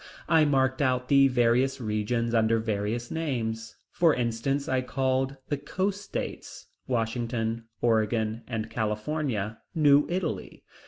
I marked out the various regions under various names. For instance I called the coast states, Washington, Oregon, and California, New Italy.